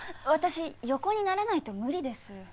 私横にならないと無理です。